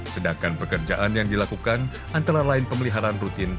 sedangkan pekerjaan yang dilakukan antara lain pemeliharaan rutin